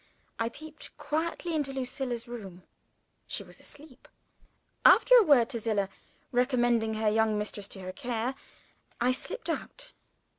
I peeped quietly into Lucilla's room. She was asleep. After a word to Zillah, recommending her young mistress to her care, I slipped out.